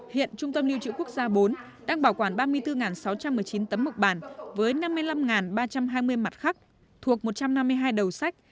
hiện trung tâm lưu trữ quốc gia bốn đang bảo quản ba mươi bốn sáu trăm một mươi chín tấm mộc bản với năm mươi năm ba trăm hai mươi mặt khác thuộc một trăm năm mươi hai đầu sách